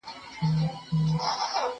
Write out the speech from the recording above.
مار د بل په لاس مه وژنه!